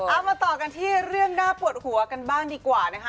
เอามาต่อกันที่เรื่องน่าปวดหัวกันบ้างดีกว่านะคะ